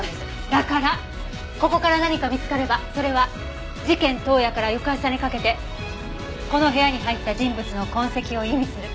だからここから何か見つかればそれは事件当夜から翌朝にかけてこの部屋に入った人物の痕跡を意味する。